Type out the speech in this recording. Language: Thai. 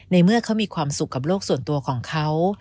เมื่อเขามีความสุขกับโลกส่วนตัวของเขา